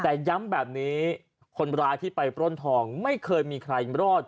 แต่ย้ำแบบนี้คนร้ายที่ไปปล้นทองไม่เคยมีใครรอด